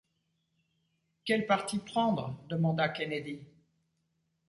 Quel parti prendre ! demanda Kennedy.